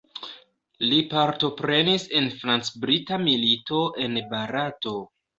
Li partoprenis en franc-brita milito en Barato.